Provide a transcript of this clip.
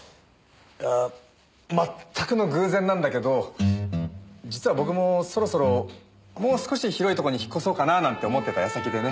全くの偶然なんだけど実は僕もそろそろもう少し広いとこに引っ越そうかなぁなんて思ってた矢先でね。